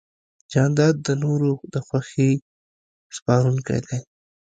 جانداد د نورو د خوښۍ سپارونکی دی.